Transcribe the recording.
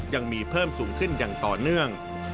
ยังมีเพิ่มสูงขึ้นอย่างต่อเนื่อง